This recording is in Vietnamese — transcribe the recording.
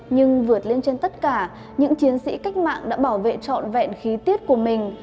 nhưng vượt lên trên tất cả những chiến sĩ cách mạng đã bảo vệ trọn vẹn khí tiết của mình